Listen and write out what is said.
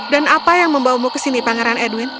dan apa yang membawamu ke sini pangeran edwin